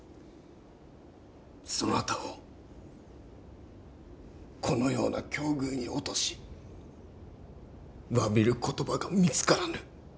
そなたをこのような境遇に落とし詫びる言葉が見つからぬ。